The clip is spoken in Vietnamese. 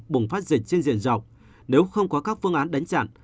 bùng phát dịch trên diện rộng nếu không có các phương án đánh chặn